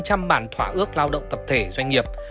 hơn năm tám trăm linh bản thỏa ước lao động tập thể doanh nghiệp